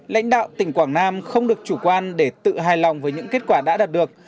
lãnh đạo tỉnh quảng nam không được chủ quan để tự hài lòng với những kết quả đã đạt được